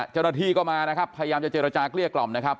เจ้าหน้าที่ก็มานะครับพยายามจะเจรจาเกลี้ยกล่อมนะครับ